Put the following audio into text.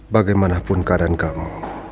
bagaimanapun keadaan kamu